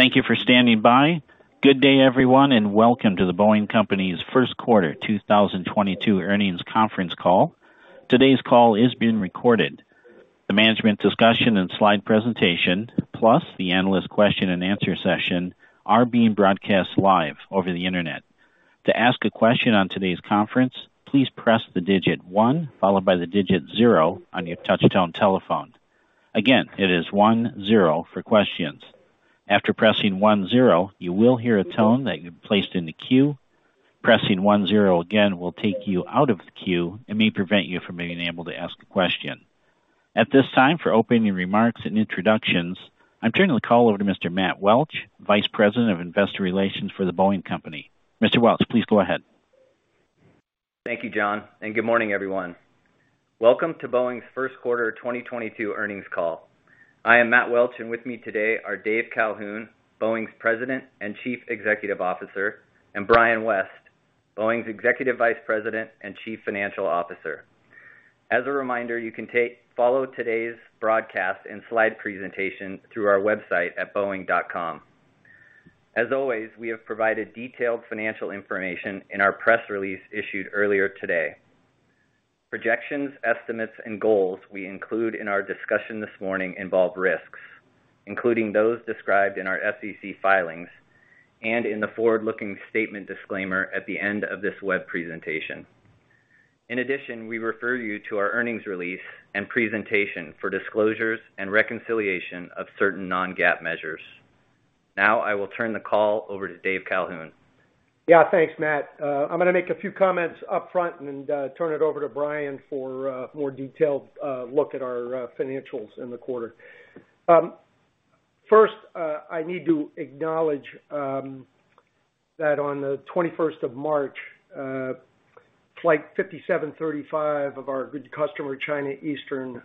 Thank you for standing by. Good day, everyone and welcome to The Boeing Company's first quarter 2022 earnings conference call. Today's call is being recorded. The management discussion and slide presentation, plus the analyst question and answer session are being broadcast live over the Internet. To ask a question on today's conference, please press the digit one, followed by the digit zero on your touch-tone telephone. Again, it is one zero for questions. After pressing one zero, you will hear a tone that you're placed in the queue. Pressing one zero again will take you out of the queue and may prevent you from being able to ask a question. At this time, for opening remarks and introductions, I'm turning the call over to Mr. Matt Welch, Vice President of Investor Relations for The Boeing Company. Mr. Welch, please go ahead. Thank you, John and good morning, everyone. Welcome to Boeing's first quarter 2022 earnings call. I am Matt Welch and with me today are Dave Calhoun, Boeing's President and Chief Executive Officer and Brian West, Boeing's Executive Vice President and Chief Financial Officer. As a reminder, you can follow today's broadcast and slide presentation through our website at boeing.com. As always, we have provided detailed financial information in our press release issued earlier today. Projections, estimates and goals we include in our discussion this morning involve risks, including those described in our SEC filings and in the forward-looking statement disclaimer at the end of this web presentation. In addition, we refer you to our earnings release and presentation for disclosures and reconciliation of certain non-GAAP measures. Now I will turn the call over to Dave Calhoun. Yeah, thanks, Matt. I'm gonna make a few comments up front and turn it over to Brian for a more detailed look at our financials in the quarter. First, I need to acknowledge that on the 21st of March, Flight 5735 of our good customer, China Eastern,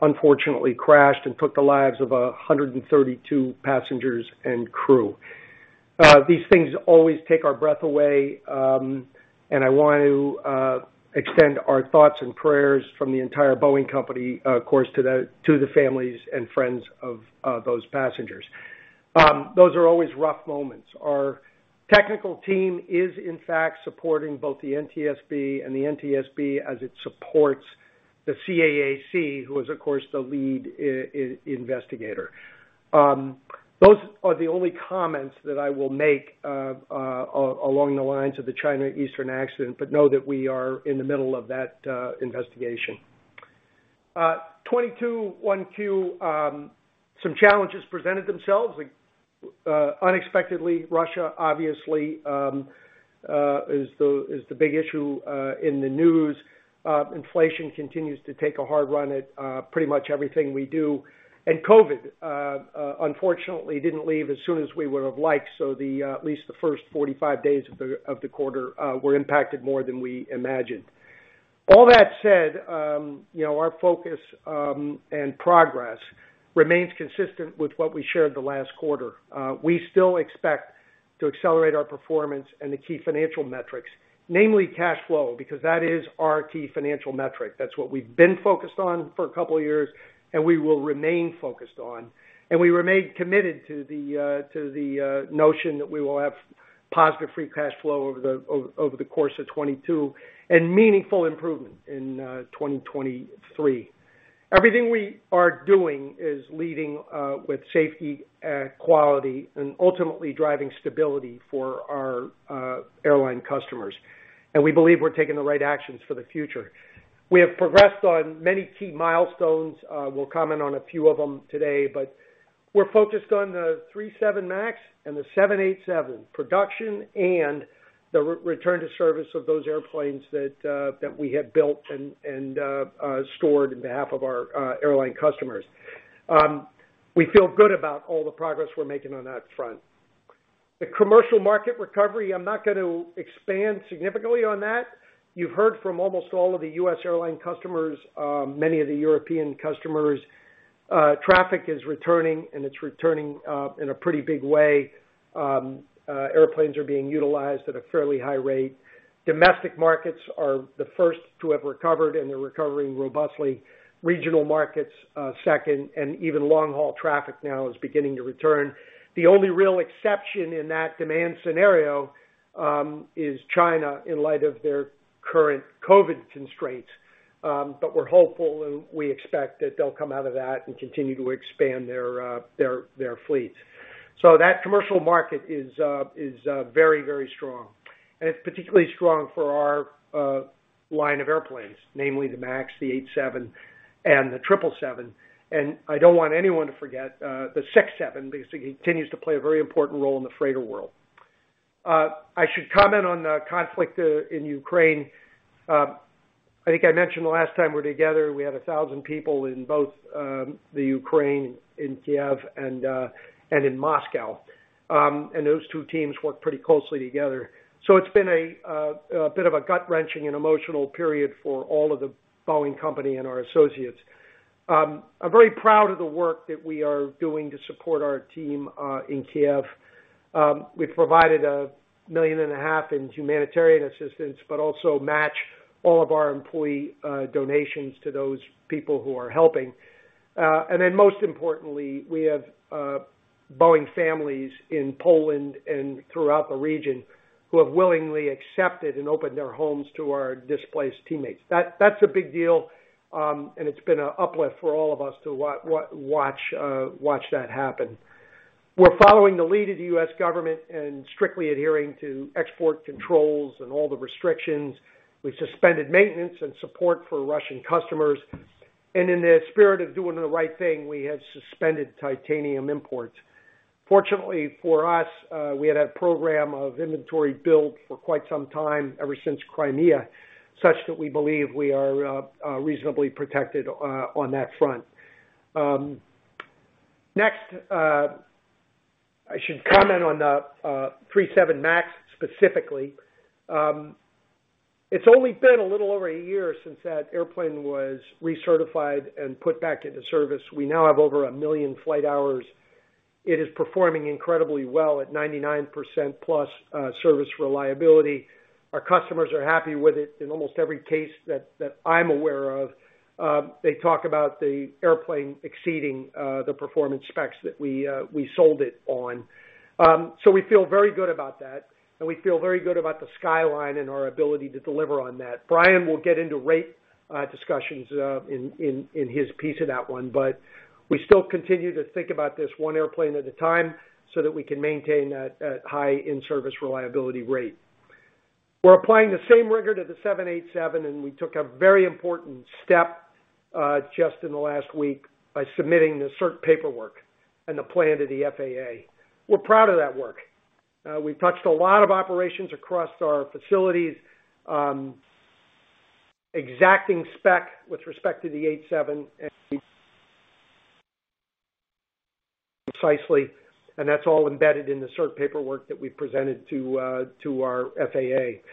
unfortunately crashed and took the lives of 132 passengers and crew. These things always take our breath away and I want to extend our thoughts and prayers from the entire Boeing Company, of course, to the families and friends of those passengers. Those are always rough moments. Our technical team is, in fact, supporting the NTSB as it supports the CAAC, who is, of course, the lead investigator. Those are the only comments that I will make along the lines of the China Eastern accident but know that we are in the middle of that investigation. Q1 2022, some challenges presented themselves unexpectedly. Russia, obviously, is the big issue in the news. Inflation continues to take a hard run at pretty much everything we do. COVID unfortunately didn't leave as soon as we would have liked, so at least the first 45 days of the quarter were impacted more than we imagined. All that said, you know, our focus and progress remains consistent with what we shared the last quarter. We still expect to accelerate our performance and the key financial metrics, namely cash flow, because that is our key financial metric. That's what we've been focused on for a couple of years and we will remain focused on. We remain committed to the notion that we will have positive free cash flow over the course of 2022 and meaningful improvement in 2023. Everything we are doing is leading with safety, quality and ultimately driving stability for our airline customers. We believe we're taking the right actions for the future. We have progressed on many key milestones. We'll comment on a few of them today but we're focused on the 737 MAX and the 787 production and the return to service of those airplanes that we have built and stored in behalf of our airline customers. We feel good about all the progress we're making on that front. The commercial market recovery, I'm not going to expand significantly on that. You've heard from almost all of the U.S. airline customers, many of the European customers. Traffic is returning and it's returning in a pretty big way. Airplanes are being utilized at a fairly high rate. Domestic markets are the first to have recovered and they're recovering robustly. Regional markets second and even long-haul traffic now is beginning to return. The only real exception in that demand scenario is China in light of their current COVID constraints. We're hopeful and we expect that they'll come out of that and continue to expand their fleet. That commercial market is very, very strong. It's particularly strong for our line of airplanes, namely the MAX, the 737 and the triple seven. I don't want anyone to forget the 767 because it continues to play a very important role in the freighter world. I should comment on the conflict in Ukraine. I think I mentioned last time we were together, we had 1,000 people in both the Ukraine, in Kyiv and in Moscow. And those two teams work pretty closely together. It's been a bit of a gut-wrenching and emotional period for all of the Boeing Company and our associates. I'm very proud of the work that we are doing to support our team in Kyiv. We've provided $1.5 million in humanitarian assistance but also match all of our employee donations to those people who are helping. Most importantly, we have Boeing families in Poland and throughout the region who have willingly accepted and opened their homes to our displaced teammates. That's a big deal and it's been an uplift for all of us to watch that happen. We're following the lead of the U.S. government and strictly adhering to export controls and all the restrictions. We've suspended maintenance and support for Russian customers. In the spirit of doing the right thing, we have suspended titanium imports. Fortunately for us, we had a program of inventory built for quite some time, ever since Crimea, such that we believe we are reasonably protected on that front. Next, I should comment on the 737 MAX specifically. It's only been a little over a year since that airplane was recertified and put back into service. We now have over 1 million flight hours. It is performing incredibly well at 99%+ service reliability. Our customers are happy with it in almost every case that I'm aware of. They talk about the airplane exceeding the performance specs that we sold it on. We feel very good about that and we feel very good about the skyline and our ability to deliver on that. Brian will get into rate discussions in his piece of that one. We still continue to think about this one airplane at a time so that we can maintain that high in-service reliability rate. We're applying the same rigor to the 787 and we took a very important step just in the last week by submitting the cert paperwork and the plan to the FAA. We're proud of that work. We touched a lot of operations across our facilities, exacting spec with respect to the 787 and precisely and that's all embedded in the cert paperwork that we presented to the FAA.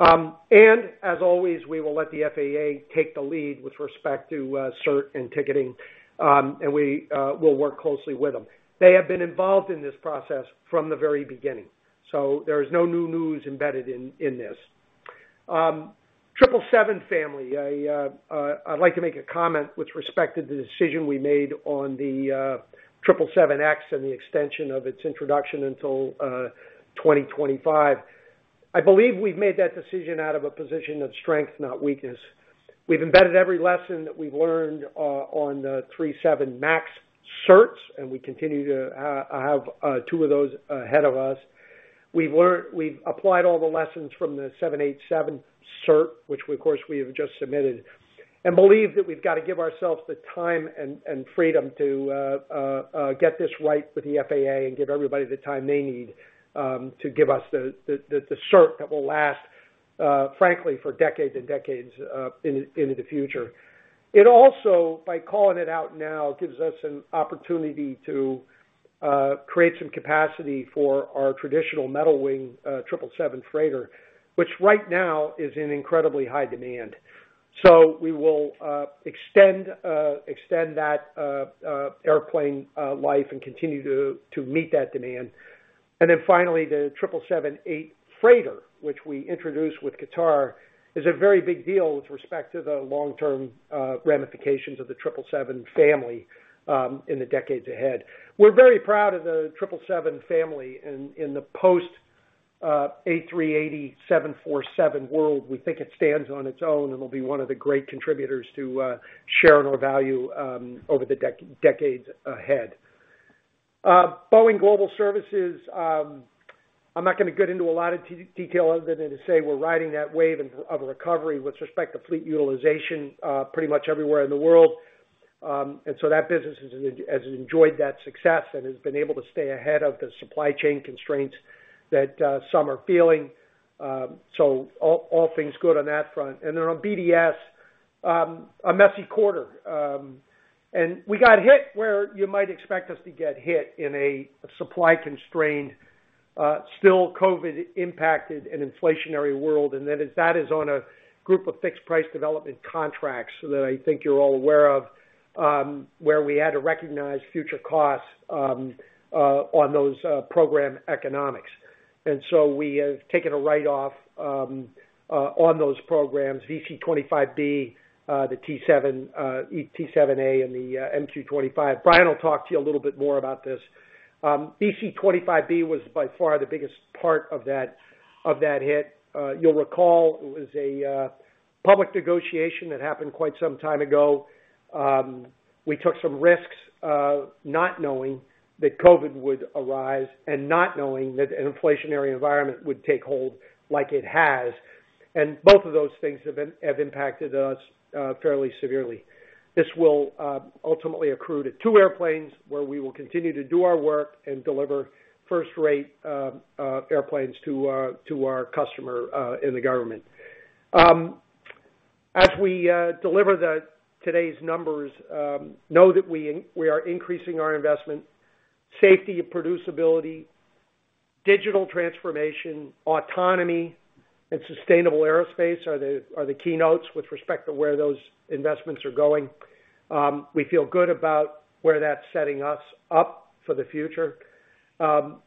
As always, we will let the FAA take the lead with respect to cert and ticketing and we will work closely with them. They have been involved in this process from the very beginning, so there is no new news embedded in this. 777 family. I'd like to make a comment with respect to the decision we made on the 777X and the extension of its introduction until 2025. I believe we've made that decision out of a position of strength, not weakness. We've embedded every lesson that we've learned on the 737 MAX certs and we continue to have two of those ahead of us. We've applied all the lessons from the 787 cert, which of course we have just submitted and believe that we've got to give ourselves the time and freedom to get this right with the FAA and give everybody the time they need to give us the cert that will last, frankly, for decades and decades in the future. It also, by calling it out now, gives us an opportunity to create some capacity for our traditional metal wing 777 freighter, which right now is in incredibly high demand. We will extend that airplane life and continue to meet that demand. Finally, the 777-8 Freighter, which we introduced with Qatar, is a very big deal with respect to the long-term ramifications of the 777 family in the decades ahead. We're very proud of the 777 family in the post A380 747 world. We think it stands on its own and will be one of the great contributors to share in our value over the decades ahead. Boeing Global Services, I'm not gonna get into a lot of detail other than to say we're riding that wave of recovery with respect to fleet utilization pretty much everywhere in the world. That business has enjoyed that success and has been able to stay ahead of the supply chain constraints that some are feeling. All things good on that front. Then on BDS, a messy quarter. We got hit where you might expect us to get hit in a supply-constrained, still COVID-impacted and inflationary world. That is on a group of fixed price development contracts that I think you're all aware of, where we had to recognize future costs on those program economics. We have taken a write-off on those programs, VC-25B, the T-7A, eT-7A and the MQ-25. Brian will talk to you a little bit more about this. VC-25B was by far the biggest part of that hit. You'll recall it was a public negotiation that happened quite some time ago. We took some risks, not knowing that COVID would arise and not knowing that an inflationary environment would take hold like it has. Both of those things have impacted us fairly severely. This will ultimately accrue to two airplanes, where we will continue to do our work and deliver first-rate airplanes to our customer in the government. As we deliver today's numbers, know that we are increasing our investment, safety and producibility, digital transformation, autonomy. Sustainable aerospace are the keynotes with respect to where those investments are going. We feel good about where that's setting us up for the future.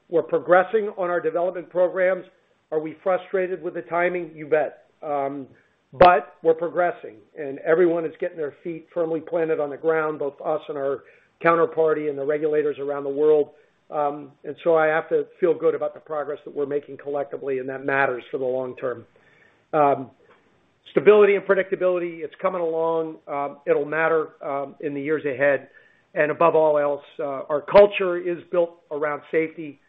We're progressing on our development programs. Are we frustrated with the timing? You bet. We're progressing and everyone is getting their feet firmly planted on the ground, both us and our counterparty and the regulators around the world. I have to feel good about the progress that we're making collectively and that matters for the long term. Stability and predictability, it's coming along. It'll matter in the years ahead. Above all else, our culture is built around safety,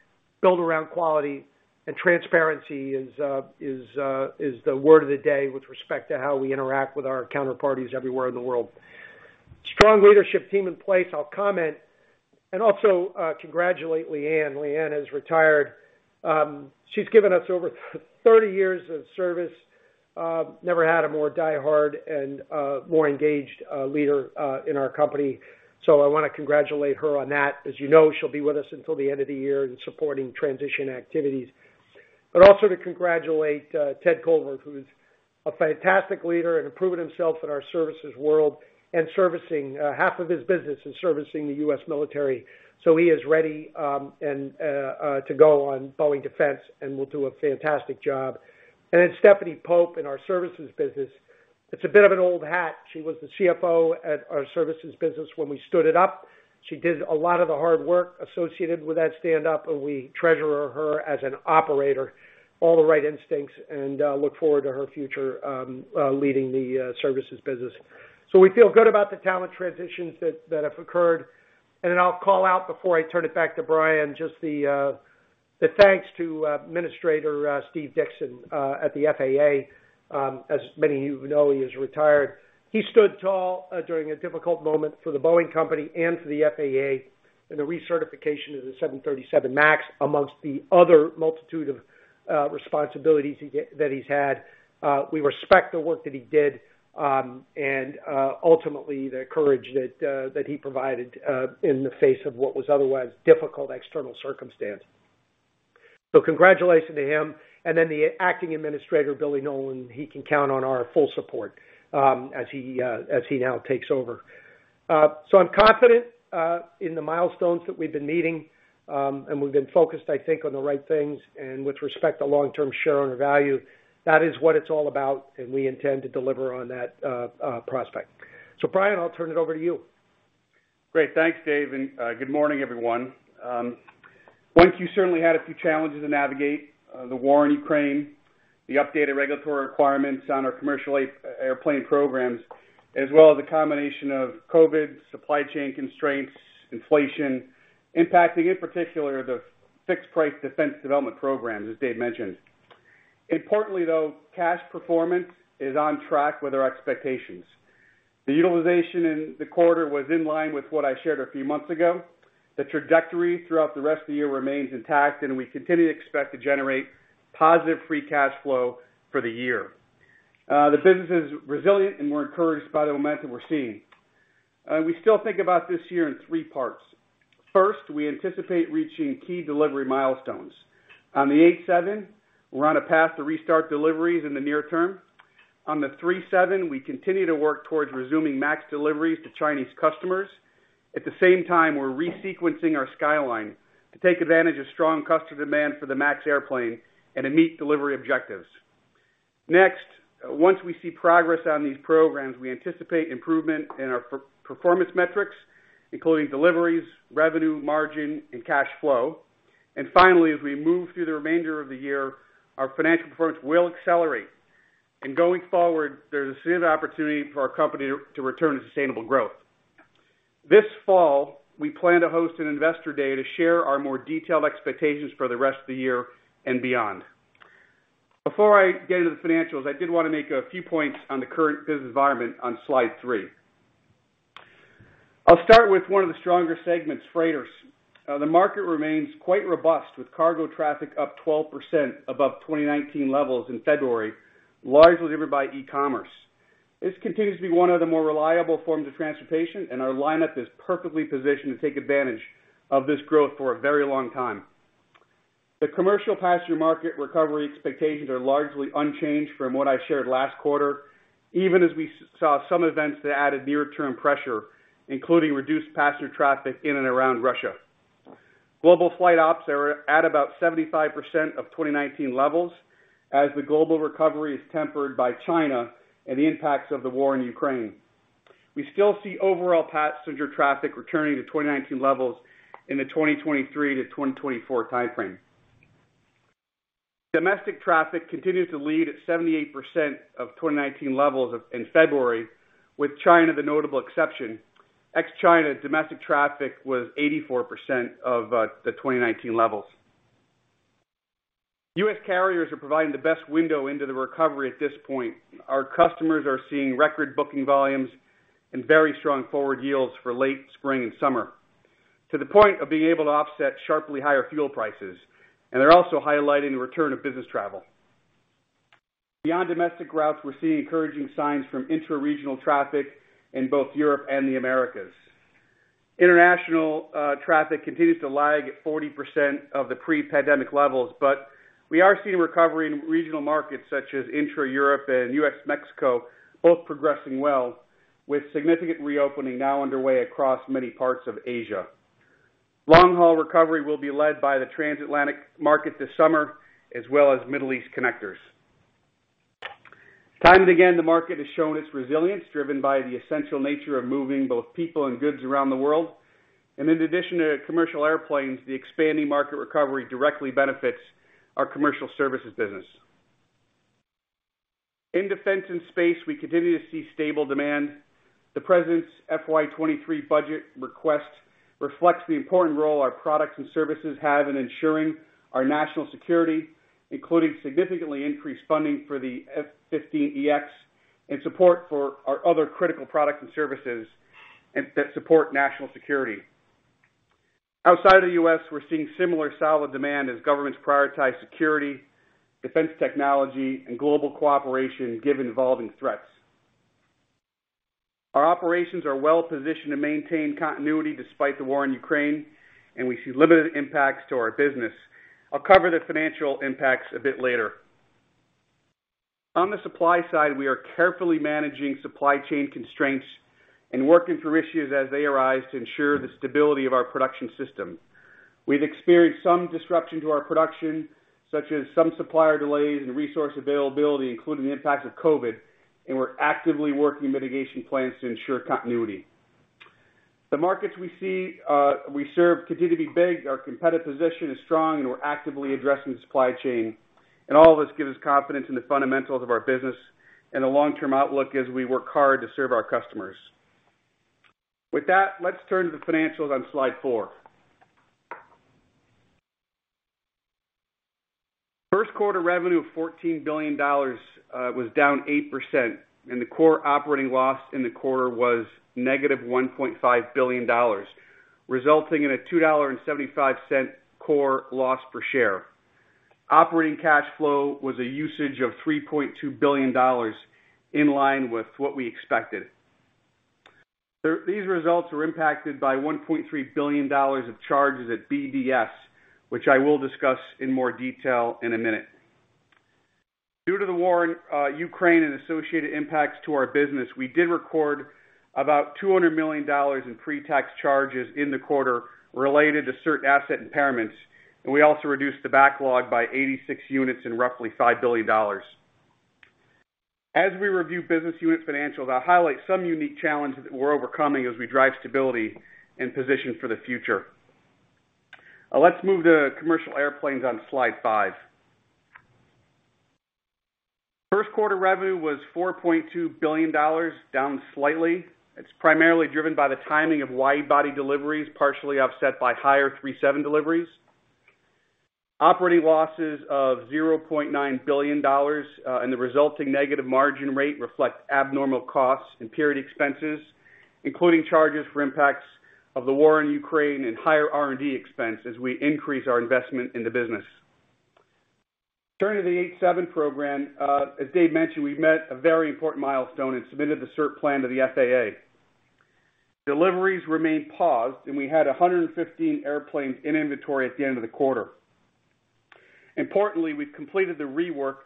built around quality and transparency is the word of the day with respect to how we interact with our counterparties everywhere in the world. Strong leadership team in place. I'll comment and also congratulate Leanne. Leanne has retired. She's given us over 30 years of service. Never had a more diehard and more engaged leader in our company. I wanna congratulate her on that. As you know, she'll be with us until the end of the year in supporting transition activities. Also to congratulate Ted Colbert, who's a fantastic leader and have proven himself in our services world and servicing half of his business is servicing the U.S. military. He is ready and to go on Boeing Defense and will do a fantastic job. Then Stephanie Pope in our services business. It's a bit of an old hat. She was the CFO at our services business when we stood it up. She did a lot of the hard work associated with that stand-up and we treasure her as an operator. All the right instincts and look forward to her future leading the services business. We feel good about the talent transitions that have occurred. I'll call out before I turn it back to Brian, just the thanks to Administrator Steve Dickson at the FAA. As many of you know, he has retired. He stood tall during a difficult moment for the Boeing Company and for the FAA in the recertification of the 737 MAX, amongst the other multitude of responsibilities that he's had. We respect the work that he did and ultimately, the courage that he provided in the face of what was otherwise difficult external circumstance. Congratulations to him and the acting administrator, Billy Nolen, he can count on our full support as he now takes over. I'm confident in the milestones that we've been meeting and we've been focused, I think, on the right things and with respect to long-term shareowner value. That is what it's all about and we intend to deliver on that prospect. Brian, I'll turn it over to you. Great. Thanks, Dave and good morning, everyone. We've certainly had a few challenges to navigate, the war in Ukraine, the updated regulatory requirements on our commercial airplane programs, as well as a combination of COVID, supply chain constraints, inflation impacting, in particular, the fixed-price defense development programs, as Dave mentioned. Importantly, though, cash performance is on track with our expectations. The utilization in the quarter was in line with what I shared a few months ago. The trajectory throughout the rest of the year remains intact and we continue to expect to generate positive free cash flow for the year. The business is resilient and we're encouraged by the momentum we're seeing. We still think about this year in three parts. First, we anticipate reaching key delivery milestones. On the 777, we're on a path to restart deliveries in the near term. On the 737, we continue to work towards resuming 737 MAX deliveries to Chinese customers. At the same time, we're resequencing our timeline to take advantage of strong customer demand for the 737 MAX airplane and to meet delivery objectives. Next, once we see progress on these programs, we anticipate improvement in our key performance metrics, including deliveries, revenue, margin and cash flow. Finally, as we move through the remainder of the year, our financial performance will accelerate. Going forward, there's a significant opportunity for our company to return to sustainable growth. This fall, we plan to host an investor day to share our more detailed expectations for the rest of the year and beyond. Before I get into the financials, I did wanna make a few points on the current business environment on Slide 3. I'll start with one of the stronger segments, freighters. The market remains quite robust, with cargo traffic up 12% above 2019 levels in February, largely driven by e-commerce. This continues to be one of the more reliable forms of transportation and our lineup is perfectly positioned to take advantage of this growth for a very long time. The commercial passenger market recovery expectations are largely unchanged from what I shared last quarter, even as we saw some events that added near-term pressure, including reduced passenger traffic in and around Russia. Global flight ops are at about 75% of 2019 levels as the global recovery is tempered by China and the impacts of the war in Ukraine. We still see overall passenger traffic returning to 2019 levels in the 2023 to 2024 timeframe. Domestic traffic continued to lead at 78% of 2019 levels in February, with China the notable exception. Ex-China, domestic traffic was 84% of the 2019 levels. U.S. carriers are providing the best window into the recovery at this point. Our customers are seeing record booking volumes and very strong forward yields for late spring and summer, to the point of being able to offset sharply higher fuel prices and they're also highlighting the return of business travel. Beyond domestic routes, we're seeing encouraging signs from interregional traffic in both Europe and the Americas. International traffic continues to lag at 40% of the pre-pandemic levels but we are seeing recovery in regional markets such as intra-Europe and U.S.-Mexico, both progressing well with significant reopening now underway across many parts of Asia. Long-haul recovery will be led by the trans-Atlantic market this summer, as well as Middle East connectors. Time and again, the market has shown its resilience, driven by the essential nature of moving both people and goods around the world. In addition to commercial airplanes, the expanding market recovery directly benefits our commercial services business. In defense and space, we continue to see stable demand. The President's FY 2023 budget request reflects the important role our products and services have in ensuring our national security, including significantly increased funding for the F-15EX and support for our other critical products and services that support national security. Outside of the U.S., we're seeing similar solid demand as governments prioritize security, defense technology and global cooperation given evolving threats. Our operations are well-positioned to maintain continuity despite the war in Ukraine and we see limited impacts to our business. I'll cover the financial impacts a bit later. On the supply side, we are carefully managing supply chain constraints and working through issues as they arise to ensure the stability of our production system. We've experienced some disruption to our production, such as some supplier delays and resource availability, including the impacts of COVID and we're actively working mitigation plans to ensure continuity. The markets we see, we serve continue to be big. Our competitive position is strong and we're actively addressing the supply chain. All of this gives us confidence in the fundamentals of our business and the long-term outlook as we work hard to serve our customers. With that, let's turn to the financials on slide four. First quarter revenue of $14 billion was down 8% and the core operating loss in the quarter was negative $1.5 billion, resulting in a $2.75 core loss per share. Operating cash flow was a usage of $3.2 billion in line with what we expected. These results were impacted by $1.3 billion of charges at BDS, which I will discuss in more detail in a minute. Due to the war in Ukraine and associated impacts to our business, we did record about $200 million in pre-tax charges in the quarter related to certain asset impairments and we also reduced the backlog by 86 units and roughly $5 billion. As we review business unit financials, I'll highlight some unique challenges that we're overcoming as we drive stability and position for the future. Let's move to commercial airplanes on slide 5. First quarter revenue was $4.2 billion, down slightly. It's primarily driven by the timing of wide-body deliveries, partially offset by higher 737 deliveries. Operating losses of $0.9 billion and the resulting negative margin rate reflect abnormal costs and period expenses, including charges for impacts of the war in Ukraine and higher R&D expense as we increase our investment in the business. Turning to the 787 program, as Dave mentioned, we met a very important milestone and submitted the cert plan to the FAA. Deliveries remain paused and we had 115 airplanes in inventory at the end of the quarter. Importantly, we've completed the rework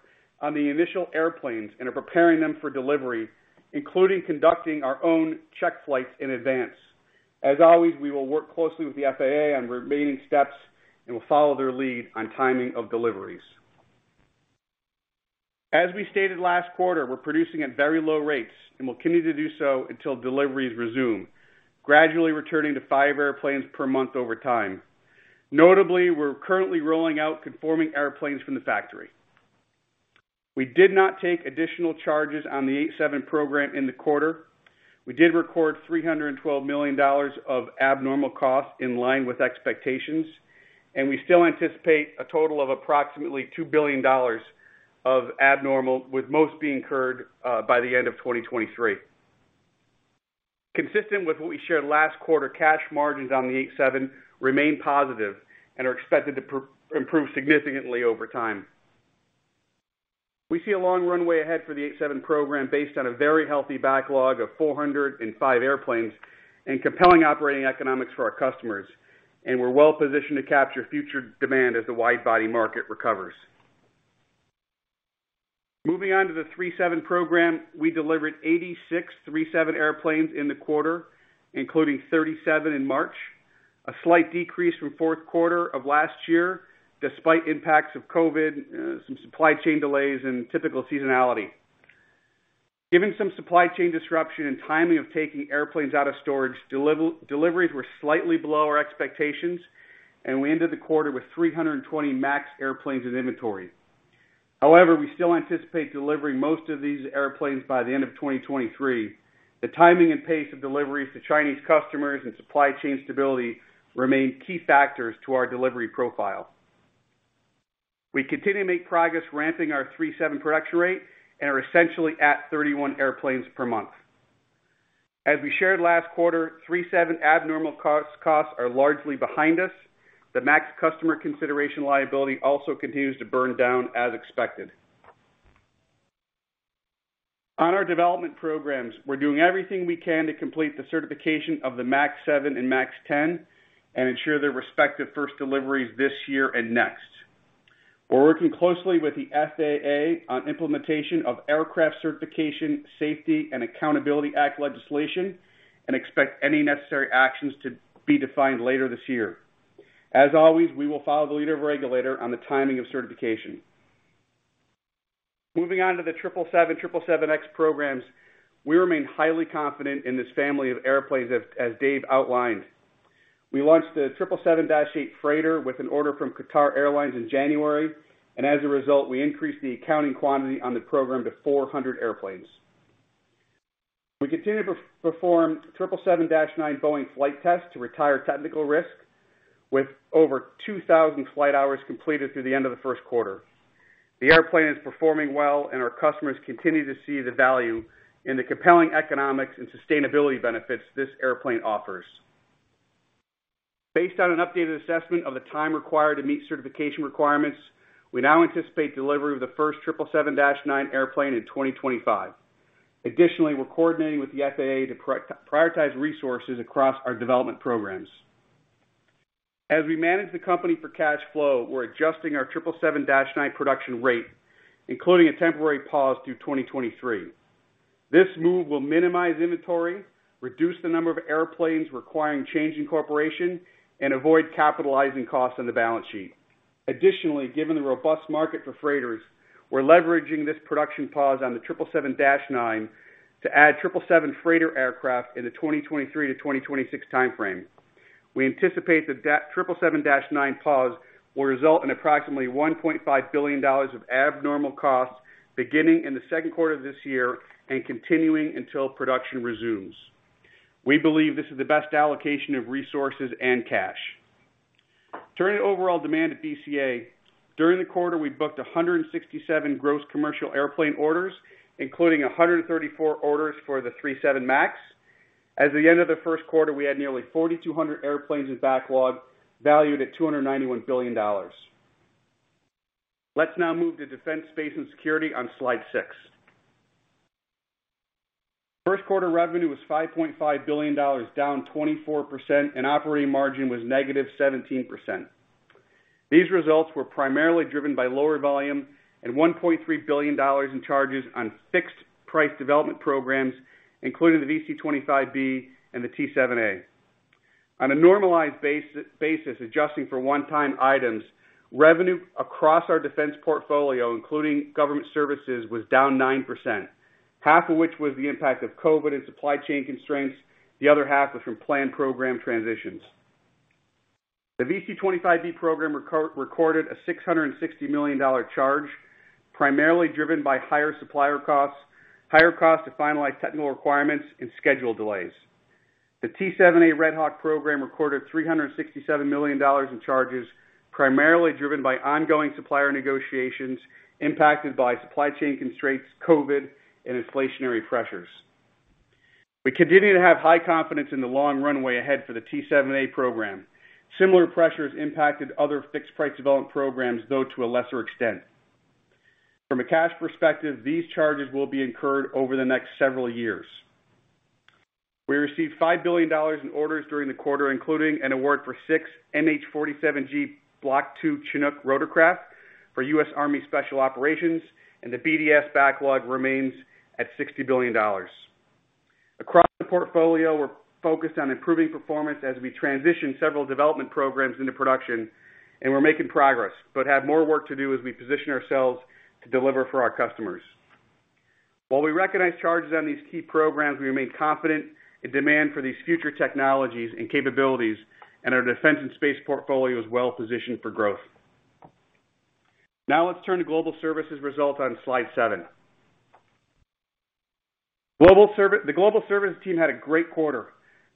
on the initial airplanes and are preparing them for delivery, including conducting our own check flights in advance. As always, we will work closely with the FAA on remaining steps and will follow their lead on timing of deliveries. As we stated last quarter, we're producing at very low rates and we'll continue to do so until deliveries resume, gradually returning to five airplanes per month over time. Notably, we're currently rolling out conforming airplanes from the factory. We did not take additional charges on the 737 program in the quarter. We did record $312 million of abnormal costs in line with expectations and we still anticipate a total of approximately $2 billion of abnormal, with most being incurred by the end of 2023. Consistent with what we shared last quarter, cash margins on the 737 remain positive and are expected to improve significantly over time. We see a long runway ahead for the 787 program based on a very healthy backlog of 405 airplanes and compelling operating economics for our customers and we're well-positioned to capture future demand as the wide-body market recovers. Moving on to the 737 program, we delivered 86 737 airplanes in the quarter, including 37 in March, a slight decrease from fourth quarter of last year, despite impacts of COVID, some supply chain delays and typical seasonality. Given some supply chain disruption and timing of taking airplanes out of storage, deliveries were slightly below our expectations and we ended the quarter with 320 MAX airplanes in inventory. However, we still anticipate delivering most of these airplanes by the end of 2023. The timing and pace of deliveries to Chinese customers and supply chain stability remain key factors to our delivery profile. We continue to make progress ramping our 737 production rate and are essentially at 31 airplanes per month. As we shared last quarter, 737 abnormal costs are largely behind us. The MAX customer consideration liability also continues to burn down as expected. On our development programs, we're doing everything we can to complete the certification of the 737 MAX 7 and 737 MAX 10 and ensure their respective first deliveries this year and next. We're working closely with the FAA on implementation of Aircraft Certification, Safety and Accountability Act legislation and expect any necessary actions to be defined later this year. As always, we will follow the lead of the regulator on the timing of certification. Moving on to the 777, 777X programs, we remain highly confident in this family of airplanes as Dave outlined. We launched the 777-8 Freighter with an order from Qatar Airways in January and as a result, we increased the accounting quantity on the program to 400 airplanes. We continue to perform 777-9 Boeing flight tests to retire technical risk with over 2,000 flight hours completed through the end of the first quarter. The airplane is performing well and our customers continue to see the value in the compelling economics and sustainability benefits this airplane offers. Based on an updated assessment of the time required to meet certification requirements, we now anticipate delivery of the first 777-9 airplane in 2025. Additionally, we're coordinating with the FAA to prioritize resources across our development programs. As we manage the company for cash flow, we're adjusting our 777-9 production rate, including a temporary pause through 2023. This move will minimize inventory, reduce the number of airplanes requiring change in configuration and avoid capitalizing costs on the balance sheet. Additionally, given the robust market for freighters, we're leveraging this production pause on the 777-9 to add 777 Freighter aircraft in the 2023-2026 time frame. We anticipate the 777-9 pause will result in approximately $1.5 billion of abnormal costs beginning in the second quarter of this year and continuing until production resumes. We believe this is the best allocation of resources and cash. Turning to overall demand at BCA, during the quarter, we booked 167 gross commercial airplane orders, including 134 orders for the 737 MAX. As at the end of the first quarter, we had nearly 4,200 airplanes in backlog, valued at $291 billion. Let's now move to defense, space and security on slide six. First quarter revenue was $5.5 billion, down 24% and operating margin was -17%. These results were primarily driven by lower volume and $1.3 billion in charges on fixed price development programs, including the VC-25B and the T-7A. On a normalized basis, adjusting for one-time items, revenue across our defense portfolio, including government services, was down 9%, half of which was the impact of COVID and supply chain constraints. The other half was from planned program transitions. The VC-25B program recorded a $660 million charge, primarily driven by higher supplier costs, higher costs to finalize technical requirements and schedule delays. The T-7A Red Hawk program recorded $367 million in charges, primarily driven by ongoing supplier negotiations impacted by supply chain constraints, COVID and inflationary pressures. We continue to have high confidence in the long runway ahead for the T-7A program. Similar pressures impacted other fixed-price development programs, though to a lesser extent. From a cash perspective, these charges will be incurred over the next several years. We received $5 billion in orders during the quarter, including an award for six MH-47G Block II Chinook rotorcraft for U.S. Army Special Operations and the BDS backlog remains at $60 billion. Across the portfolio, we're focused on improving performance as we transition several development programs into production and we're making progress but have more work to do as we position ourselves to deliver for our customers. While we recognize charges on these key programs, we remain confident in demand for these future technologies and capabilities and our defense and space portfolio is well positioned for growth. Now let's turn to global services results on slide 7. The global services team had a great quarter,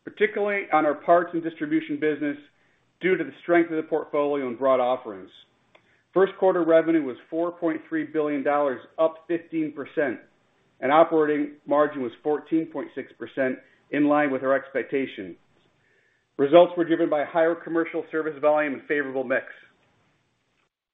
particularly on our parts and distribution business, due to the strength of the portfolio and broad offerings. First quarter revenue was $4.3 billion, up 15% and operating margin was 14.6%, in line with our expectations. Results were driven by higher commercial service volume and favorable mix.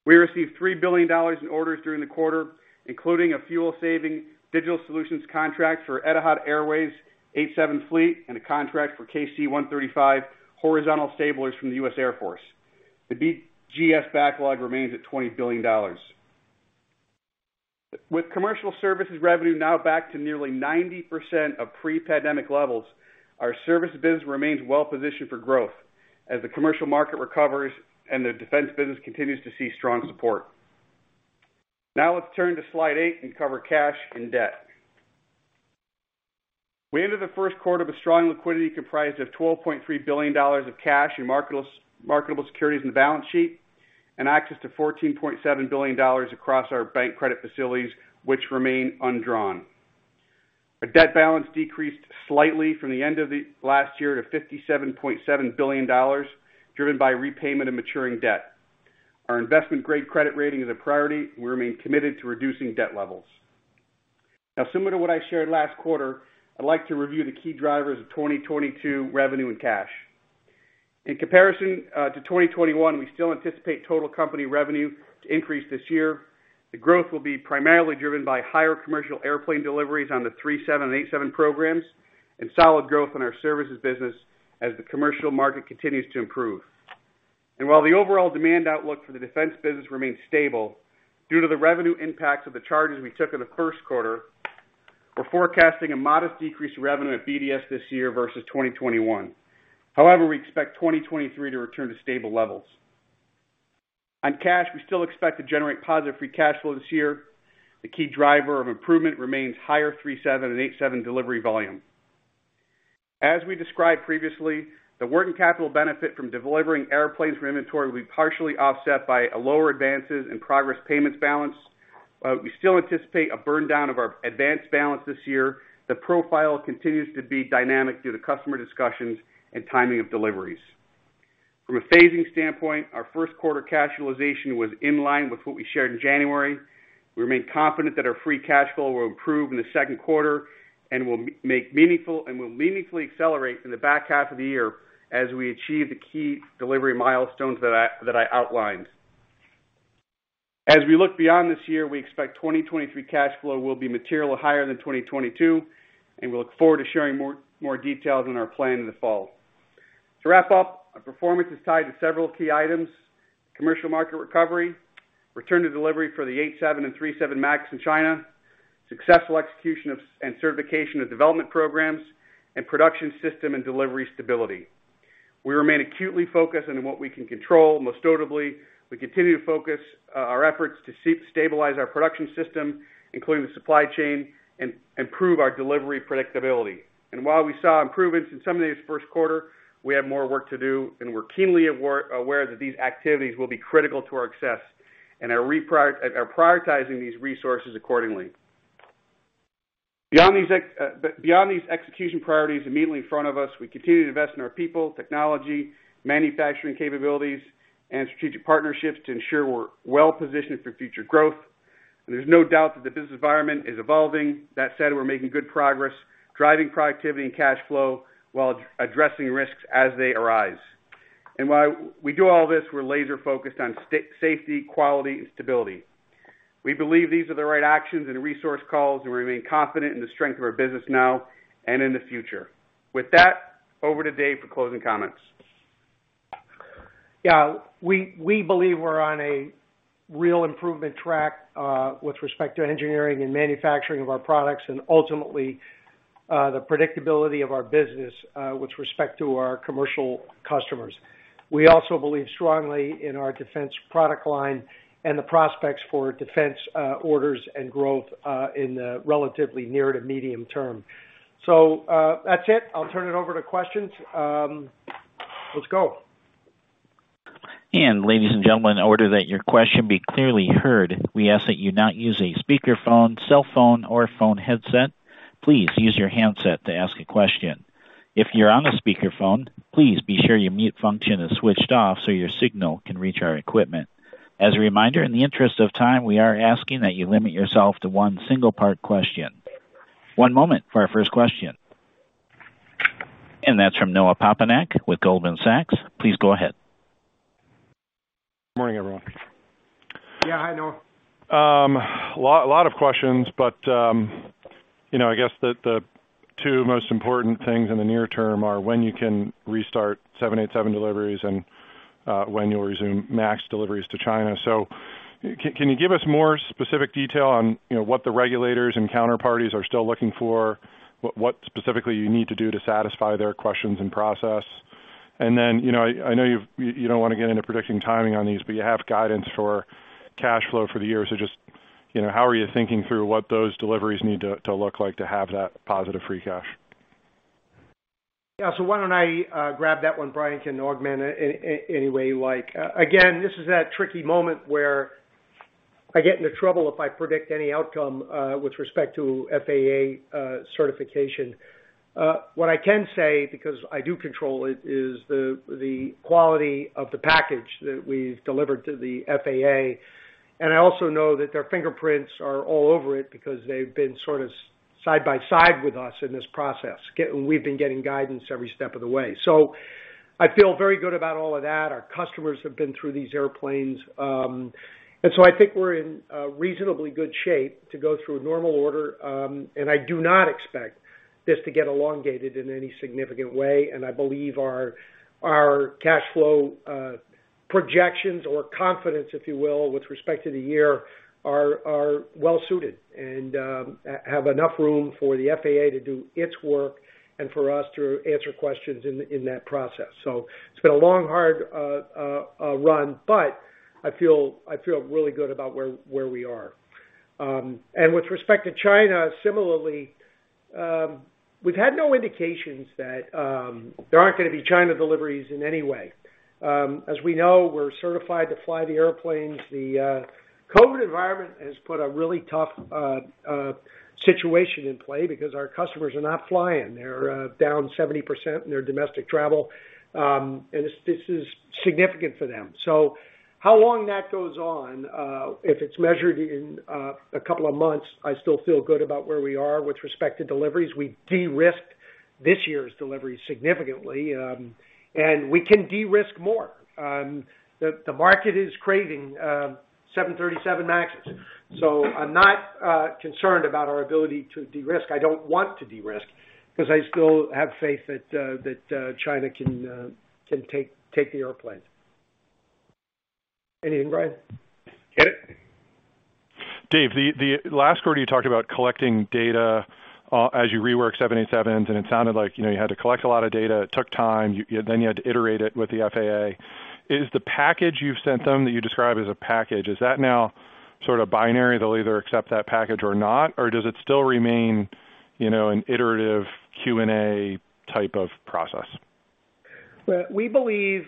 We received $3 billion in orders during the quarter, including a fuel-saving digital solutions contract for Etihad Airways' 787 fleet and a contract for KC-135 horizontal stabilizers from the U.S. Air Force. The BGS backlog remains at $20 billion. With commercial services revenue now back to nearly 90% of pre-pandemic levels, our service business remains well-positioned for growth as the commercial market recovers and the defense business continues to see strong support. Now let's turn to slide 8 and cover cash and debt. We entered the first quarter with strong liquidity comprised of $12.3 billion of cash and marketable securities in the balance sheet and access to $14.7 billion across our bank credit facilities, which remain undrawn. Our debt balance decreased slightly from the end of the last year to $57.7 billion, driven by repayment of maturing debt. Our investment-grade credit rating is a priority and we remain committed to reducing debt levels. Now, similar to what I shared last quarter, I'd like to review the key drivers of 2022 revenue and cash. In comparison to 2021, we still anticipate total company revenue to increase this year. The growth will be primarily driven by higher commercial airplane deliveries on the 737 and 787 programs and solid growth in our services business as the commercial market continues to improve. While the overall demand outlook for the defense business remains stable due to the revenue impacts of the charges we took in the first quarter, we're forecasting a modest decrease in revenue at BDS this year versus 2021. However, we expect 2023 to return to stable levels. On cash, we still expect to generate positive free cash flow this year. The key driver of improvement remains higher 737 and 787 delivery volume. As we described previously, the working capital benefit from delivering airplanes from inventory will be partially offset by a lower advances in progress payments balance. We still anticipate a burn down of our advances balance this year. The profile continues to be dynamic due to customer discussions and timing of deliveries. From a phasing standpoint, our first quarter cash utilization was in line with what we shared in January. We remain confident that our free cash flow will improve in the second quarter and will make meaningful and will meaningfully accelerate in the back half of the year as we achieve the key delivery milestones that I outlined. As we look beyond this year, we expect 2023 cash flow will be materially higher than 2022 and we look forward to sharing more details on our plan in the fall. To wrap up, our performance is tied to several key items: commercial market recovery, return to delivery for the 787 and 737 MAX in China, successful execution of and certification of development programs and production system and delivery stability. We remain acutely focused on what we can control. Most notably, we continue to focus our efforts to stabilize our production system, including the supply chain and improve our delivery predictability. While we saw improvements in some of these first quarter, we have more work to do and we're keenly aware that these activities will be critical to our success and are prioritizing these resources accordingly. Beyond these execution priorities immediately in front of us, we continue to invest in our people, technology, manufacturing capabilities and strategic partnerships to ensure we're well-positioned for future growth. There's no doubt that the business environment is evolving. That said, we're making good progress driving productivity and cash flow while addressing risks as they arise. While we do all this, we're laser focused on safety, quality and stability. We believe these are the right actions and resource calls and we remain confident in the strength of our business now and in the future. With that, over to Dave for closing comments. Yeah. We believe we're on a real improvement track with respect to engineering and manufacturing of our products and ultimately the predictability of our business with respect to our commercial customers. We also believe strongly in our defense product line and the prospects for defense orders and growth in the relatively near to medium term. That's it. I'll turn it over to questions. Let's go. Ladies and gentlemen, in order that your question be clearly heard, we ask that you not use a speakerphone, cell phone or phone headset. Please use your handset to ask a question. If you're on a speakerphone, please be sure your mute function is switched off so your signal can reach our equipment. As a reminder, in the interest of time, we are asking that you limit yourself to one single part question. One moment for our first question. That's from Noah Poponak with Goldman Sachs. Please go ahead. Morning, everyone. Yeah. Hi, Noah. Lot of questions but you know, I guess the two most important things in the near term are when you can restart 787 deliveries and when you'll resume MAX deliveries to China. Can you give us more specific detail on, you know, what the regulators and counterparties are still looking for, what specifically you need to do to satisfy their questions and process? Then, you know, you don't wanna get into predicting timing on these but you have guidance for cash flow for the year. Just, you know, how are you thinking through what those deliveries need to look like to have that positive free cash? Yeah. Why don't I grab that one, Brian can augment any way you like. Again, this is that tricky moment where I get into trouble if I predict any outcome with respect to FAA certification. What I can say, because I do control it, is the quality of the package that we've delivered to the FAA. I also know that their fingerprints are all over it because they've been sort of side by side with us in this process. We've been getting guidance every step of the way. I feel very good about all of that. Our customers have been through these airplanes. I think we're in a reasonably good shape to go through a normal order. I do not expect this to get elongated in any significant way. I believe our cash flow projections or confidence, if you will, with respect to the year, are well suited and have enough room for the FAA to do its work and for us to answer questions in that process. It's been a long, hard run but I feel really good about where we are. With respect to China, similarly, we've had no indications that there aren't gonna be China deliveries in any way. As we know, we're certified to fly the airplanes. The COVID environment has put a really tough situation in play because our customers are not flying. They're down 70% in their domestic travel. This is significant for them. How long that goes on, if it's measured in a couple of months, I still feel good about where we are with respect to deliveries. We de-risked this year's delivery significantly and we can de-risk more. The market is craving 737 MAXes. I'm not concerned about our ability to de-risk. I don't want to de-risk because I still have faith that China can take the airplane. Anything, Brian? Hit it. Dave, the last quarter you talked about collecting data as you rework 787s and it sounded like, you know, you had to collect a lot of data. It took time. Then you had to iterate it with the FAA. Is the package you've sent them that you describe as a package, is that now sort of binary? They'll either accept that package or not? Or does it still remain, you know, an iterative Q&A type of process? Well, we believe,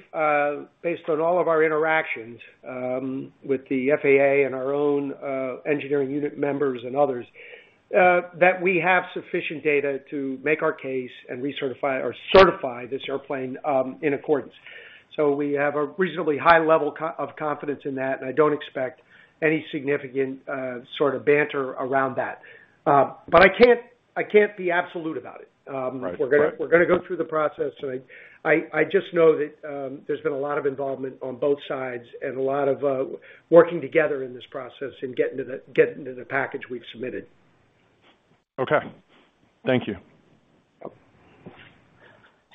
based on all of our interactions, with the FAA and our own, engineering unit members and others, that we have sufficient data to make our case and recertify or certify this airplane, in accordance. We have a reasonably high level of confidence in that and I don't expect any significant, sort of banter around that. But I can't be absolute about it. We're gonna go through the process and I just know that there's been a lot of involvement on both sides and a lot of working together in this process and getting to the package we've submitted. Okay. Thank you.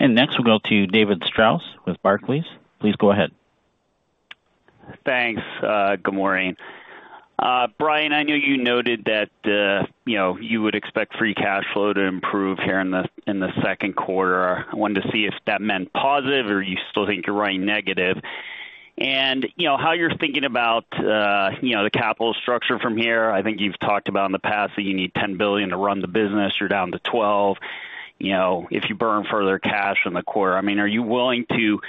Next, we'll go to David Strauss with Barclays. Please go ahead. Thanks. Good morning. Brian, I know you noted that, you know, you would expect free cash flow to improve here in the second quarter. I wanted to see if that meant positive or you still think you're running negative. You know, how you're thinking about the capital structure from here. I think you've talked about in the past that you need $10 billion to run the business. You're down to $12 billion, you know, if you burn further cash in the quarter. I mean, are you willing to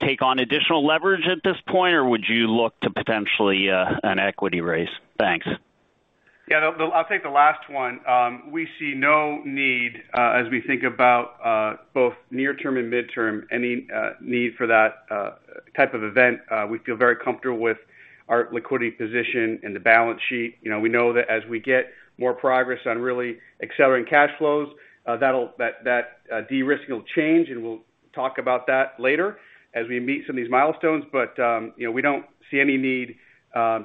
take on additional leverage at this point or would you look to potentially an equity raise? Thanks. Yeah. I'll take the last one. We see no need, as we think about, both near term and midterm, any need for that type of event. We feel very comfortable with our liquidity position and the balance sheet. You know, we know that as we get more progress on really accelerating cash flows, that de-risking will change and we'll talk about that later as we meet some of these milestones. You know, we don't see any need,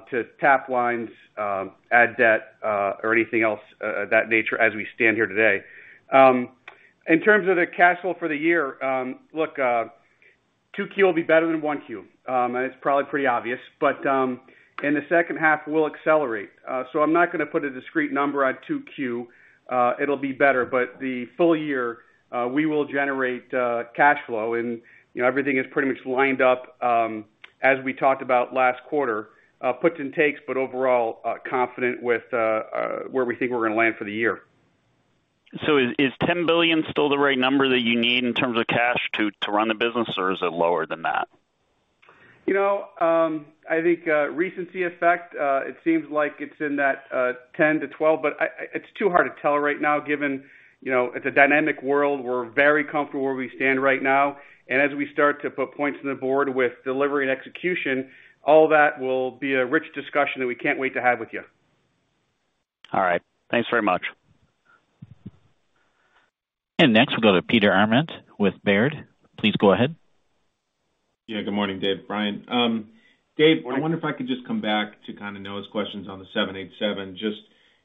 to tap lines, add debt or anything else, of that nature as we stand here today. In terms of the cash flow for the year, look, 2Q will be better than 1Q and it's probably pretty obvious but in the second half, we'll accelerate. I'm not gonna put a discrete number on 2Q. It'll be better. The full year, we will generate cash flow and, you know, everything is pretty much lined up as we talked about last quarter. Puts and takes but overall, confident with where we think we're gonna land for the year. Is $10 billion still the right number that you need in terms of cash to run the business or is it lower than that? You know, I think, recency effect, it seems like it's in that 10-12 but it's too hard to tell right now given, you know, it's a dynamic world. We're very comfortable where we stand right now. As we start to put points on the board with delivery and execution, all that will be a rich discussion that we can't wait to have with you. All right. Thanks very much. Next, we'll go to Peter Arment with Baird. Please go ahead. Yeah, good morning, Dave, Brian. Dave, I wonder if I could just come back to kind of Noah's questions on the 787. Just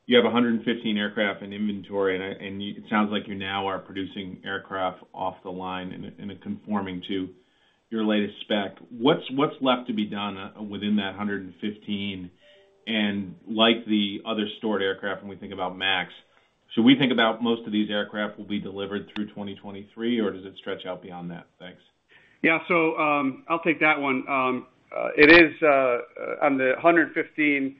you have 115 aircraft in inventory and it sounds like you now are producing aircraft off the line and conforming to your latest spec. What's left to be done within that 115? Like the other stored aircraft when we think about MAX, should we think about most of these aircraft will be delivered through 2023 or does it stretch out beyond that? Thanks. I'll take that one. It is 115 in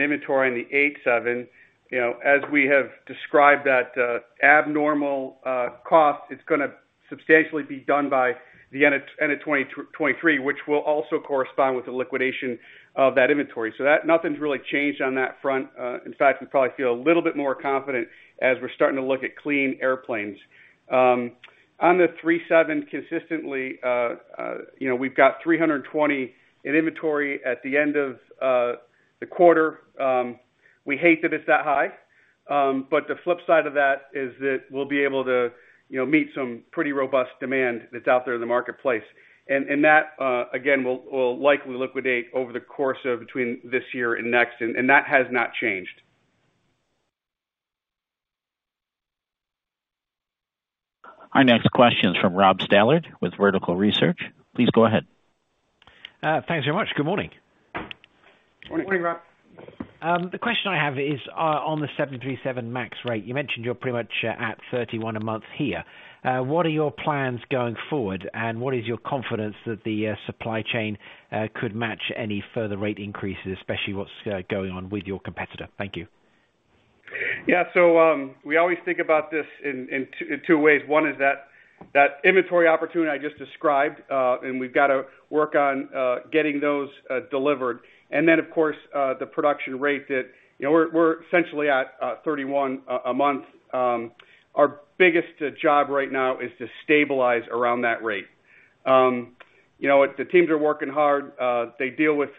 inventory in the 787, you know, as we have described that abnormal cost. It's gonna substantially be done by the end of 2023, which will also correspond with the liquidation of that inventory. Nothing's really changed on that front. In fact, we probably feel a little bit more confident as we're starting to look at clean airplanes. On the 737, consistently, you know, we've got 320 in inventory at the end of the quarter. We hate that it's that high. The flip side of that is that we'll be able to, you know, meet some pretty robust demand that's out there in the marketplace. That again will likely liquidate over the course of between this year and next and that has not changed. Our next question is from Rob Stallard with Vertical Research. Please go ahead. Thanks very much. Good morning. Morning. Morning, Rob. The question I have is around the 737 MAX rate. You mentioned you're pretty much at 31 a month here. What are your plans going forward and what is your confidence that the supply chain could match any further rate increases, especially what's going on with your competitor? Thank you. Yeah. We always think about this in two ways. One is that inventory opportunity I just described and we've got to work on getting those delivered. Then of course, the production rate that, you know, we're essentially at 31 a month. Our biggest job right now is to stabilize around that rate. You know, the teams are working hard. They deal with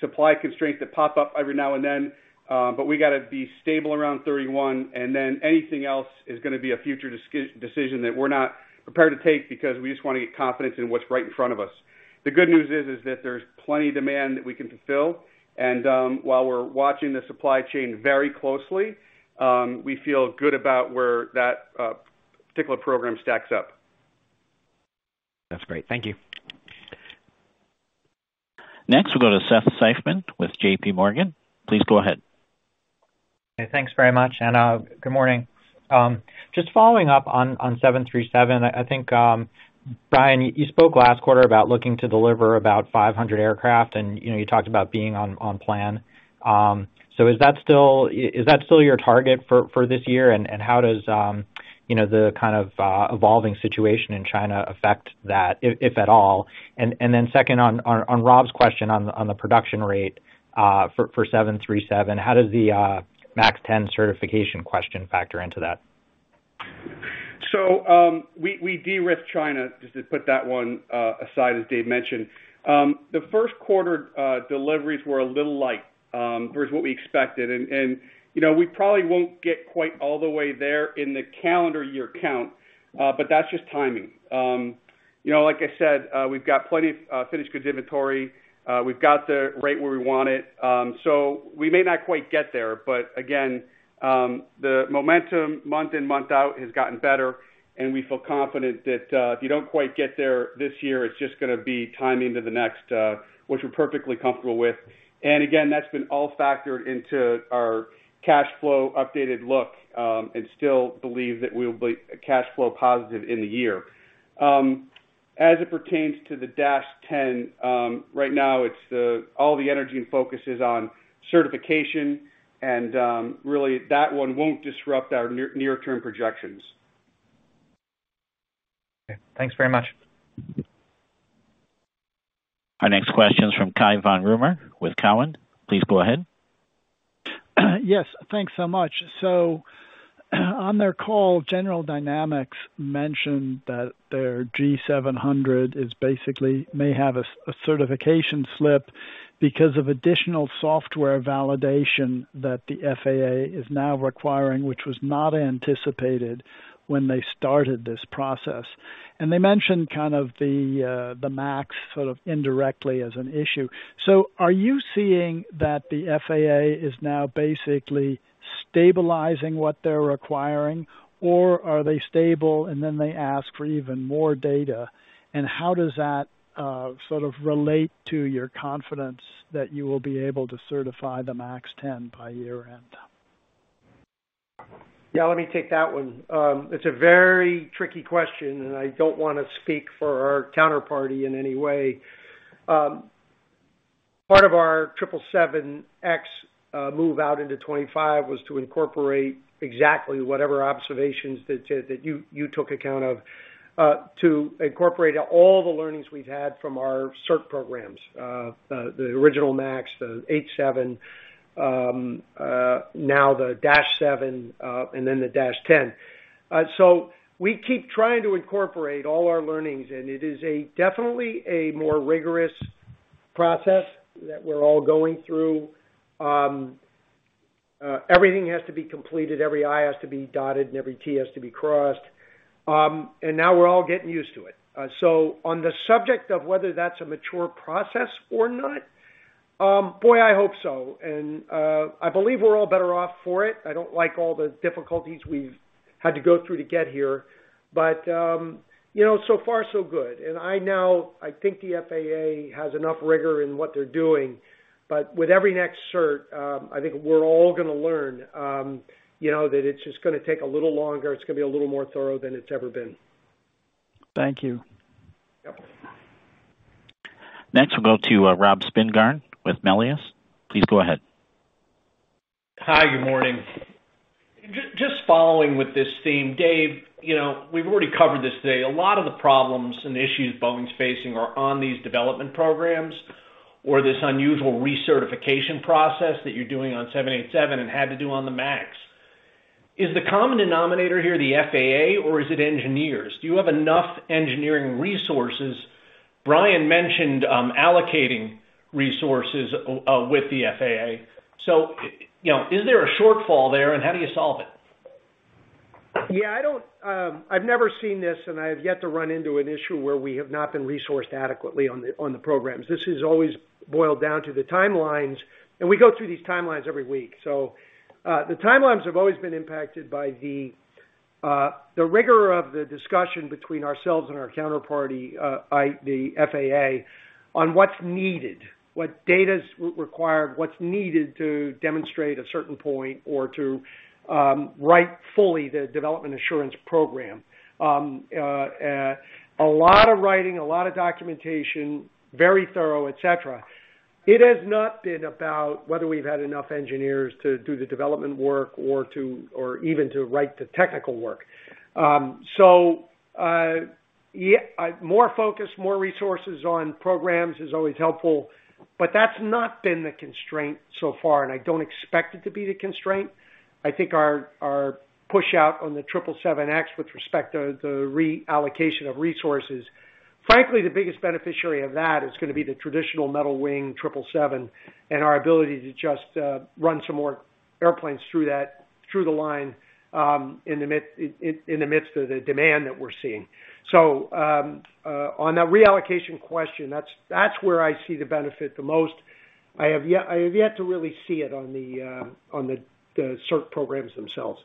supply constraints that pop up every now and then but we gotta be stable around 31 and then anything else is gonna be a future decision that we're not prepared to take because we just wanna get confidence in what's right in front of us. The good news is that there's plenty demand that we can fulfill. While we're watching the supply chain very closely, we feel good about where that particular program stacks up. That's great. Thank you. Next, we'll go to Seth Seifman with JPMorgan. Please go ahead. Okay. Thanks very much. Good morning. Just following up on 737. I think Brian, you spoke last quarter about looking to deliver about 500 aircraft and you know, you talked about being on plan. Is that still your target for this year? How does, you know, the kind of evolving situation in China affect that, if at all? Second, on Rob's question on the production rate for 737, how does the MAX 10 certification question factor into that? We de-risk China, just to put that one aside, as Dave mentioned. The first quarter deliveries were a little light versus what we expected. You know, we probably won't get quite all the way there in the calendar year count but that's just timing. You know, like I said, we've got plenty finished goods inventory. We've got the rate where we want it. We may not quite get there but again, the momentum month in, month out has gotten better and we feel confident that, if you don't quite get there this year, it's just gonna be timing to the next, which we're perfectly comfortable with. Again, that's been all factored into our cash flow updated look and still believe that we'll be cash flow positive in the year. As it pertains to the 737 MAX 10, right now all the energy and focus is on certification and really that one won't disrupt our near-term projections. Okay. Thanks very much. Our next question is from Cai von Rumohr with Cowen. Please go ahead. Yes, thanks so much. On their call, General Dynamics mentioned that their G700 is basically may have a certification slip because of additional software validation that the FAA is now requiring, which was not anticipated when they started this process. They mentioned kind of the MAX sort of indirectly as an issue. Are you seeing that the FAA is now basically stabilizing what they're requiring or are they stable and then they ask for even more data? How does that sort of relate to your confidence that you will be able to certify the MAX 10 by year-end? Yeah, let me take that one. It's a very tricky question and I don't wanna speak for our counterparty in any way. Part of our 777X move out into 2025 was to incorporate exactly whatever observations that you took account of, to incorporate all the learnings we've had from our cert programs. The original MAX, the 737, now the dash 7 and then the dash 10. We keep trying to incorporate all our learnings and it is definitely a more rigorous process that we're all going through. Everything has to be completed, every i has to be dotted and every t has to be crossed. Now we're all getting used to it. On the subject of whether that's a mature process or not, boy, I hope so. I believe we're all better off for it. I don't like all the difficulties we've had to go through to get here but you know, so far so good. Now I think the FAA has enough rigor in what they're doing. But with every next cert, I think we're all gonna learn, you know, that it's just gonna take a little longer. It's gonna be a little more thorough than it's ever been. Thank you. Next, we'll go to Rob Spingarn with Melius. Please go ahead. Hi. Good morning. Just following with this theme, Dave, you know, we've already covered this today. A lot of the problems and issues Boeing's facing are on these development programs or this unusual recertification process that you're doing on 787 and had to do on the MAX. Is the common denominator here the FAA or is it engineers? Do you have enough engineering resources? Brian mentioned allocating resources with the FAA. You know, is there a shortfall there and how do you solve it? Yeah, I don't, I've never seen this and I have yet to run into an issue where we have not been resourced adequately on the programs. This has always boiled down to the timelines and we go through these timelines every week. The timelines have always been impacted by the rigor of the discussion between ourselves and our counterparty, i.e., the FAA, on what's needed. What data's required, what's needed to demonstrate a certain point or to write fully the development assurance program. A lot of writing, a lot of documentation, very thorough, et cetera. It has not been about whether we've had enough engineers to do the development work or even to write the technical work. More focus, more resources on programs is always helpful but that's not been the constraint so far and I don't expect it to be the constraint. I think our push out on the 777X with respect to the reallocation of resources. Frankly, the biggest beneficiary of that is gonna be the traditional metal wing triple seven and our ability to just run some more airplanes through that, through the line, in the midst of the demand that we're seeing. On the reallocation question, that's where I see the benefit the most. I have yet to really see it on the cert programs themselves.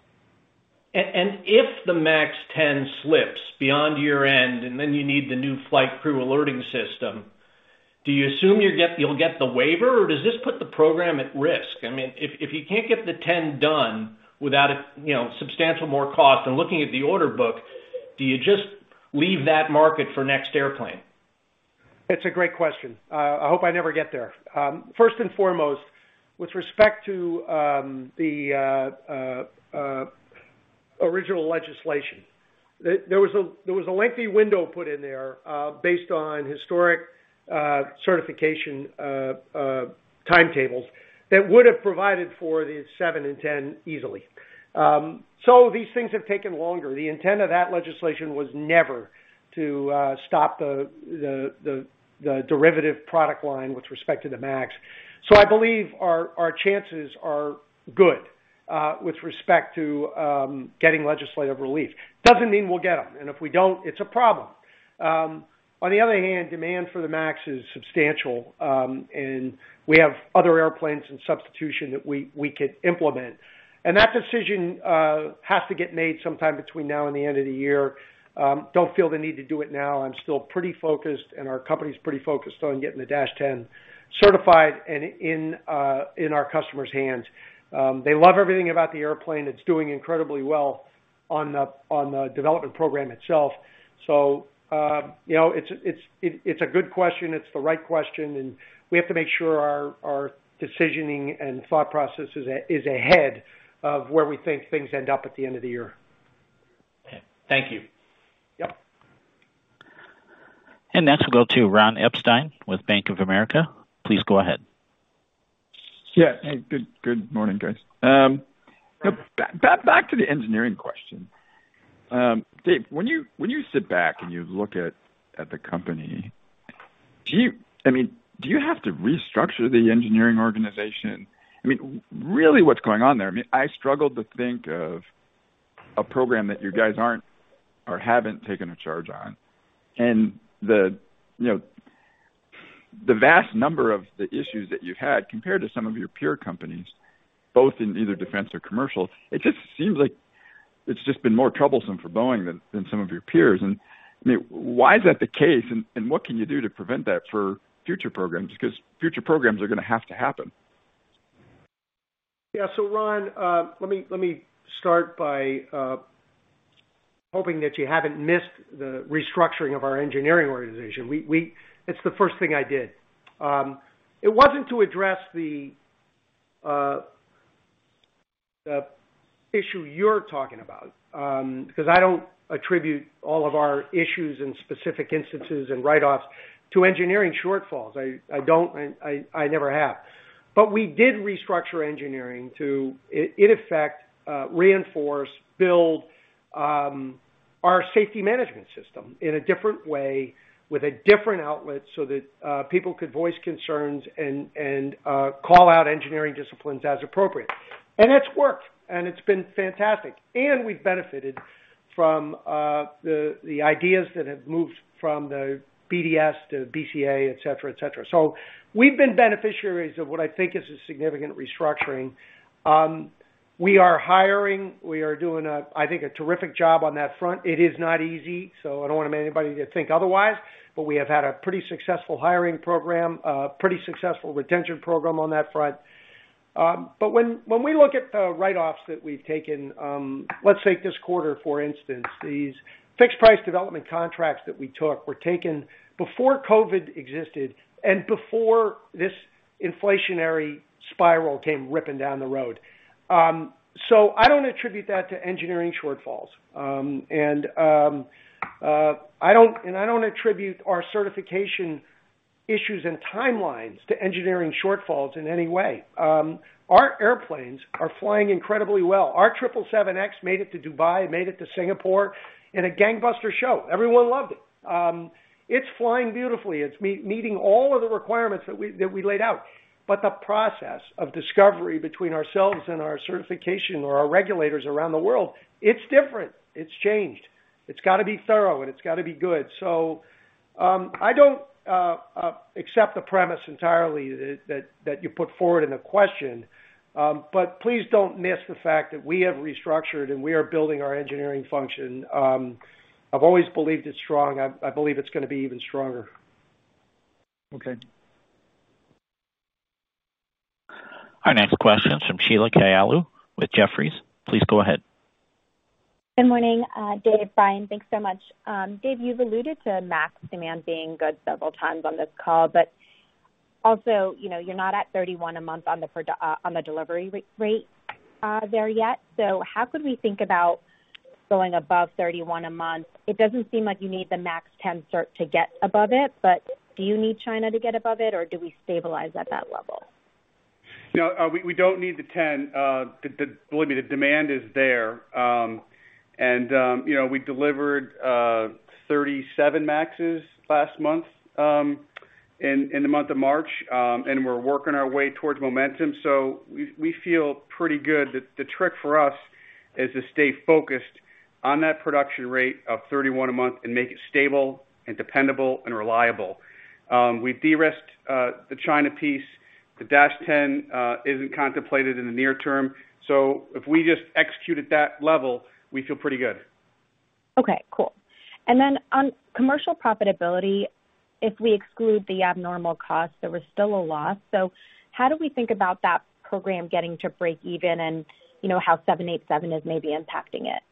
If the MAX 10 slips beyond year-end and then you need the new flight crew alerting system, do you assume you'll get the waiver or does this put the program at risk? I mean, if you can't get the 10 done without a you know, substantial more cost and looking at the order book, do you just leave that market for next airplane? It's a great question. I hope I never get there. First and foremost, with respect to the original legislation, there was a lengthy window put in there based on historic certification timetables that would have provided for the seven and ten easily. These things have taken longer. The intent of that legislation was never to stop the derivative product line with respect to the MAX. I believe our chances are good with respect to getting legislative relief. Doesn't mean we'll get them and if we don't, it's a problem. On the other hand, demand for the MAX is substantial and we have other airplanes and substitution that we could implement. That decision has to get made sometime between now and the end of the year. Don't feel the need to do it now. I'm still pretty focused and our company's pretty focused on getting the dash ten certified and in our customers' hands. They love everything about the airplane. It's doing incredibly well on the development program itself. You know, it's a good question. It's the right question and we have to make sure our decisioning and thought process is ahead of where we think things end up at the end of the year. Okay. Thank you. Yep. Next we'll go to Ron Epstein with Bank of America. Please go ahead. Yeah. Hey, good morning, guys. Back to the engineering question. Dave, when you sit back and you look at the company, do you have to restructure the engineering organization? I mean, really what's going on there? I mean, I struggle to think of a program that you guys aren't or haven't taken a charge on. You know, the vast number of the issues that you've had compared to some of your peer companies, both in either defense or commercial, it just seems like it's just been more troublesome for Boeing than some of your peers. I mean, why is that the case and what can you do to prevent that for future programs? Because future programs are gonna have to happen. Yeah. Ron, let me start by hoping that you haven't missed the restructuring of our engineering organization. It's the first thing I did. It wasn't to address the issue you're talking about, because I don't attribute all of our issues and specific instances and write-offs to engineering shortfalls. I don't and I never have. We did restructure engineering to in effect reinforce, build our safety management system in a different way, with a different outlet so that people could voice concerns and call out engineering disciplines as appropriate. It's worked and it's been fantastic and we've benefited from the ideas that have moved from the BDS to BCA, et cetera, et cetera. We've been beneficiaries of what I think is a significant restructuring. We are hiring. We are doing a, I think, a terrific job on that front. It is not easy, so I don't wanna make anybody to think otherwise. We have had a pretty successful hiring program, pretty successful retention program on that front. When we look at the write-offs that we've taken, let's take this quarter, for instance. These fixed price development contracts that we took were taken before COVID existed and before this inflationary spiral came ripping down the road. I don't attribute that to engineering shortfalls. I don't attribute our certification issues and timelines to engineering shortfalls in any way. Our airplanes are flying incredibly well. Our 777X made it to Dubai, it made it to Singapore in a gangbuster show. Everyone loved it. It's flying beautifully. It's meeting all of the requirements that we laid out. The process of discovery between ourselves and our certifiers or our regulators around the world, it's different. It's changed. It's got to be thorough and it's got to be good. I don't accept the premise entirely that you put forward in the question. Please don't miss the fact that we have restructured and we are building our engineering function. I've always believed it's strong. I believe it's gonna be even stronger. Okay. Our next question is from Sheila Kahyaoglu with Jefferies. Please go ahead. Good morning, Dave, Brian. Thanks so much. Dave, you've alluded to MAX demand being good several times on this call but also, you know, you're not at 31 a month on the production, on the delivery rate there yet. How could we think about going above 31 a month? It doesn't seem like you need the MAX 10 cert to get above it but do you need China to get above it or do we stabilize at that level? No, we don't need the 10. Believe me, the demand is there. You know, we delivered 37 MAXes last month, in the month of March and we're working our way towards momentum, so we feel pretty good. The trick for us is to stay focused on that production rate of 31 a month and make it stable and dependable and reliable. We derisked the China piece. The dash 10 isn't contemplated in the near term, so if we just execute at that level, we feel pretty good. Okay, cool. On commercial profitability, if we exclude the abnormal costs, there was still a loss. How do we think about that program getting to break even and, you know, how 787 is maybe impacting it?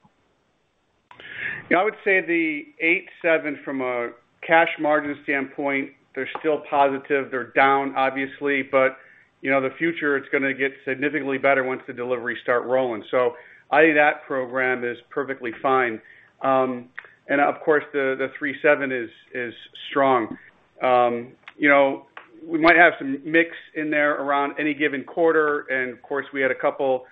You know, I would say the eight seven from a cash margin standpoint, they're still positive. They're down, obviously but, you know, the future, it's gonna get significantly better once the deliveries start rolling. So I think that program is perfectly fine. Of course, the three seven is strong. You know, we might have some mix in there around any given quarter and of course, we had a couple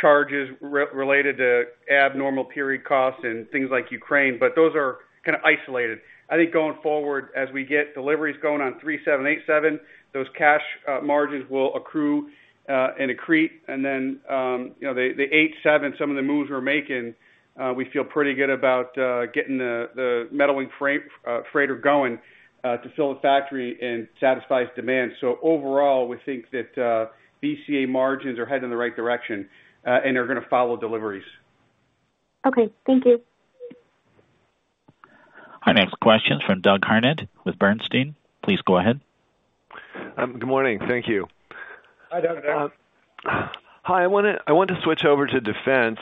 charges related to abnormal costs and things like Ukraine but those are kind of isolated. I think going forward, as we get deliveries going on three seven, eight seven, those cash margins will accrue and accrete. You know, the 787, some of the moves we're making, we feel pretty good about, getting the metal wing freighter going, to fill the factory and satisfy demand. Overall, we think that BCA margins are heading in the right direction and they're gonna follow deliveries. Okay, thank you. Our next question is from Doug Harned with Bernstein. Please go ahead. Good morning. Thank you. Hi, Doug. Hi. I want to switch over to defense.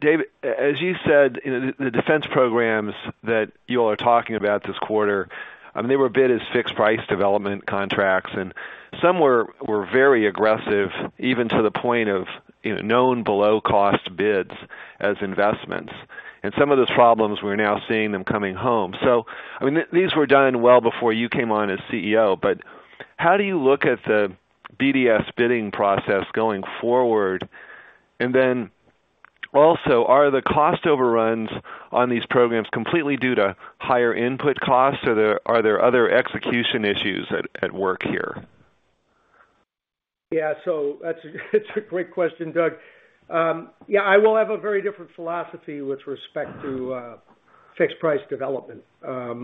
Dave, as you said, you know, the defense programs that you all are talking about this quarter, I mean, they were bid as fixed price development contracts and some were very aggressive, even to the point of, you know, known below cost bids as investments. Some of the problems, we're now seeing them coming home. I mean, these were done well before you came on as CEO but how do you look at the BDS bidding process going forward? And then also, are the cost overruns on these programs completely due to higher input costs or are there other execution issues at work here? That's a great question, Doug. Yeah, I will have a very different philosophy with respect to fixed price development. I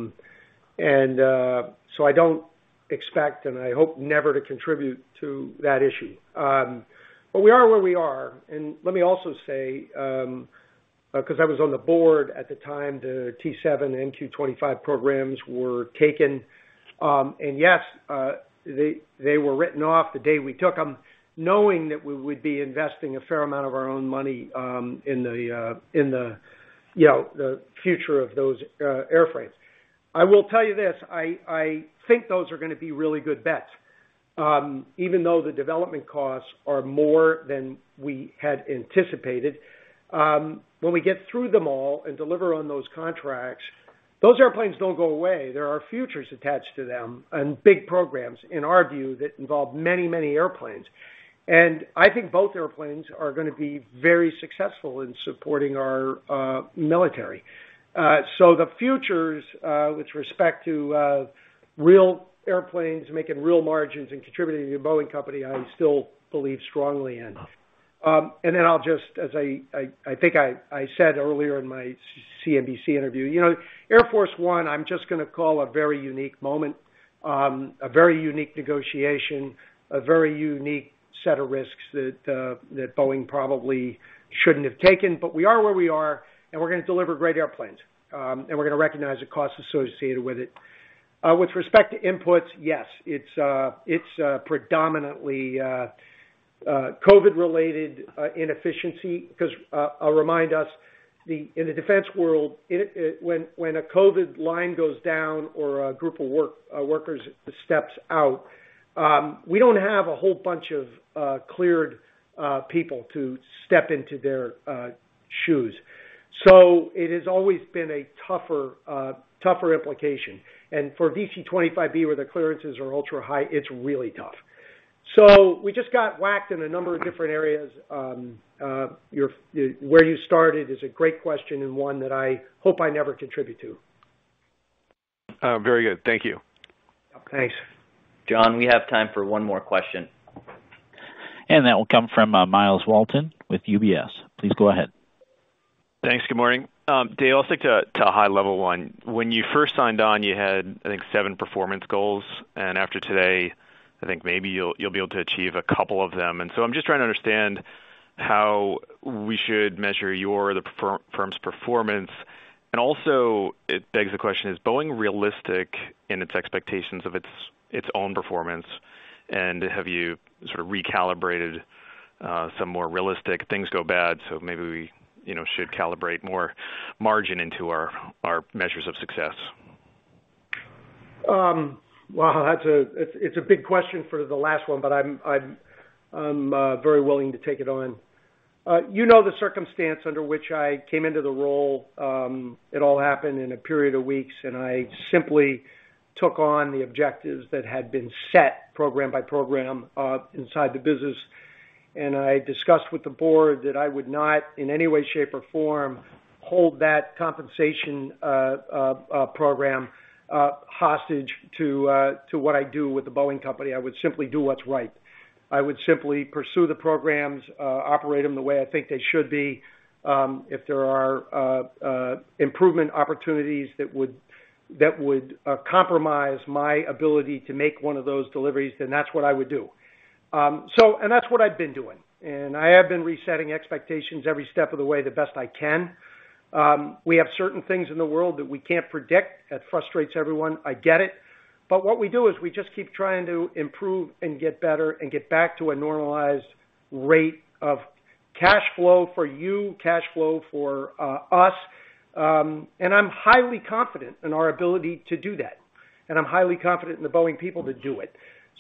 don't expect and I hope never to contribute to that issue. We are where we are. Let me also say, 'cause I was on the board at the time the T-7 and MQ-25 programs were taken and yes, they were written off the day we took them, knowing that we would be investing a fair amount of our own money in the you know the future of those airframes. I will tell you this, I think those are gonna be really good bets. Even though the development costs are more than we had anticipated, when we get through them all and deliver on those contracts, those airplanes don't go away. There are futures attached to them and big programs, in our view, that involve many, many airplanes. I think both airplanes are gonna be very successful in supporting our military. The futures with respect to real airplanes making real margins and contributing to the Boeing Company, I still believe strongly in. Then I'll just, as I think I said earlier in my CNBC interview, you know, Air Force One, I'm just gonna call a very unique moment, a very unique negotiation, a very unique set of risks that Boeing probably shouldn't have taken. We are where we are and we're gonna deliver great airplanes and we're gonna recognize the costs associated with it. With respect to inputs, yes, it's predominantly COVID-related inefficiency because I'll remind us, in the defense world, it when a COVID line goes down or a group of workers steps out, we don't have a whole bunch of cleared people to step into their shoes. It has always been a tougher implication. For VC-25B, where the clearances are ultra-high, it's really tough. We just got whacked in a number of different areas. Where you started is a great question and one that I hope I never contribute to. Very good. Thank you. Thanks. John, we have time for one more question. That will come from Myles Walton with UBS. Please go ahead. Thanks. Good morning. Dave, I'll stick to a high level one. When you first signed on, you had, I think, seven performance goals and after today, I think maybe you'll be able to achieve a couple of them. I'm just trying to understand how we should measure your or the firm's performance. It begs the question, is Boeing realistic in its expectations of its own performance? Have you sort of recalibrated some more realistic things go bad, so maybe we, you know, should calibrate more margin into our measures of success? Well, that's a big question for the last one but I'm very willing to take it on. You know the circumstance under which I came into the role. It all happened in a period of weeks and I simply took on the objectives that had been set program by program inside the business. I discussed with the board that I would not, in any way, shape or form, hold that compensation program hostage to what I do with the Boeing Company. I would simply do what's right. I would simply pursue the programs, operate them the way I think they should be. If there are improvement opportunities that would compromise my ability to make one of those deliveries, then that's what I would do. That's what I've been doing. I have been resetting expectations every step of the way the best I can. We have certain things in the world that we can't predict. That frustrates everyone, I get it. What we do is we just keep trying to improve and get better and get back to a normalized rate of cash flow for you, cash flow for us. I'm highly confident in our ability to do that and I'm highly confident in the Boeing people to do it.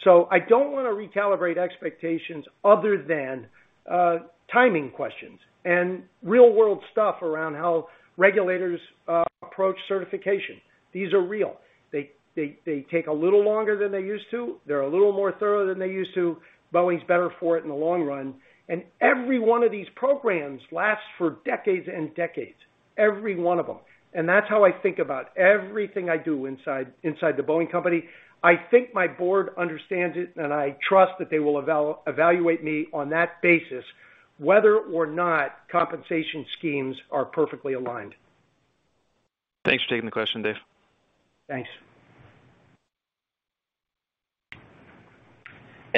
I don't wanna recalibrate expectations other than timing questions and real-world stuff around how regulators approach certification. These are real. They take a little longer than they used to. They're a little more thorough than they used to. Boeing's better for it in the long run. Every one of these programs lasts for decades and decades, every one of them. That's how I think about everything I do inside the Boeing Company. I think my board understands it and I trust that they will evaluate me on that basis, whether or not compensation schemes are perfectly aligned. Thanks for taking the question, Dave. Thanks.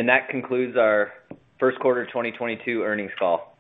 That concludes our first quarter 2022 earnings call.